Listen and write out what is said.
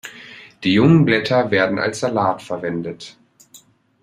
Die jungen Blätter werden als Salat verwendet.